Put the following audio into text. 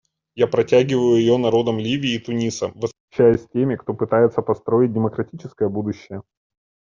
Я протягиваю ее народам Ливии и Туниса, восхищаясь теми, кто пытается построить демократическое будущее.